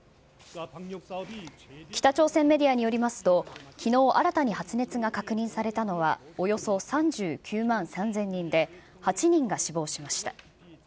北朝鮮メディアによりますと、きのう、新たに発熱が確認されたのはおよそ３９万３０００人で、８人が死亡しました。